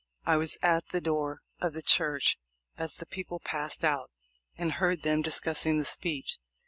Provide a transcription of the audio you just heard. I was at the door of the church as the people passed out, and heard them discussing the speech.